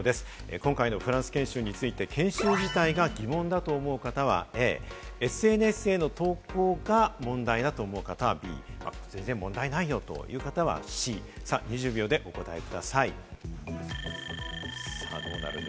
今回のフランス研修について研修自体が疑問だと思う方はＡ、ＳＮＳへの投稿が問題だと思う方はＢ、全然問題ないよという方はＣ、２０秒でお答えください。